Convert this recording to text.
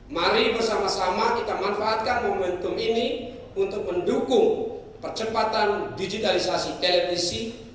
mari bersama sama kita manfaatkan momentum ini untuk mendukung percepatan digitalisasi televisi